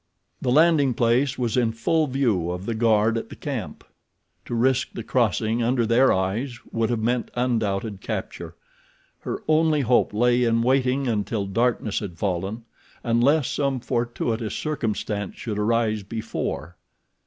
The landing place was in full view of the guard at the camp. To risk the crossing under their eyes would have meant undoubted capture. Her only hope lay in waiting until darkness had fallen, unless some fortuitous circumstance should arise before.